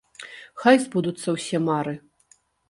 Хай збудуцца ўсе мары!